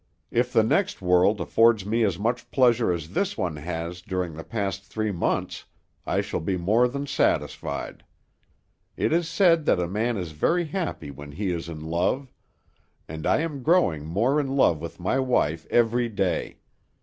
If the next world affords me as much pleasure as this one has during the past three months, I shall be more than satisfied. It is said that a man is very happy when he is in love, and I am growing more in love with my wife every day.